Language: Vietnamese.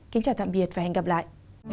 kính chào tạm biệt và hẹn gặp lại